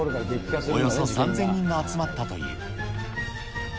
およそ３０００人が集まったという。